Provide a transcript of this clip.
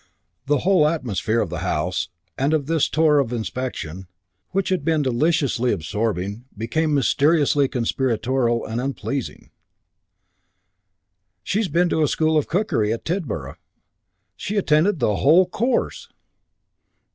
The whole atmosphere of the house and of this tour of inspection, which had been deliciously absorbing, became mysteriously conspiratorial, unpleasing. "...She's been to a school of cookery at Tidborough. She attended the whole course!"